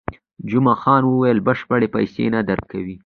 جمعه خان وویل، بشپړې پیسې نه درکوي.